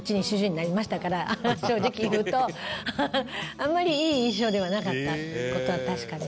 あんまりいい印象ではなかった事は確かですね。